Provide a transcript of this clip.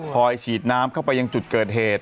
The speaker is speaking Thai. ฉีดน้ำเข้าไปยังจุดเกิดเหตุ